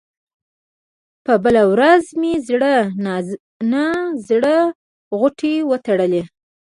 په بله ورځ مې زړه نا زړه غوټې وتړلې.